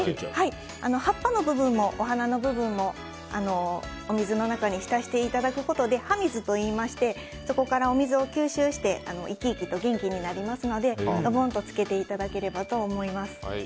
葉っぱの部分も、お花の部分もお水の中に浸していただくことで葉水といいましてそこから水を吸収して生き生きと元気になりますのでボンと浸けていただければと思います。